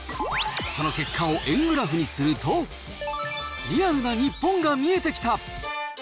その結果を円グラフにすると、リアルな日本が見えてきた。